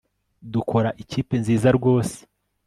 Dukora ikipe nziza rwose